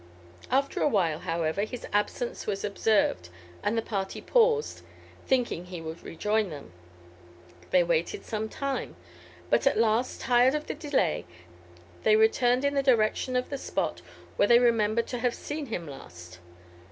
After a while, however, his absence was observed, and the party paused, thinking he would rejoin them. They waited some time; but at last, tired of the delay, they returned in the direction of the spot where they remembered to have seen him last.